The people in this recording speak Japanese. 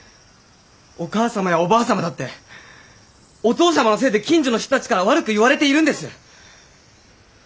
お母様やおばあ様だってお父様のせいで近所の人たちから悪く言われているんです！